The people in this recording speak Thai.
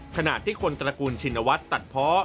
ขณะที่คนตระกูลชินวัฒน์ตัดเพาะ